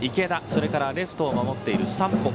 それからレフトを守っている山保。